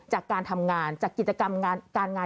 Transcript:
จากการทำงานจากกิจกรรมการงาน